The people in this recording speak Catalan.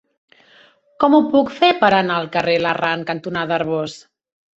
Com ho puc fer per anar al carrer Larrard cantonada Arbós?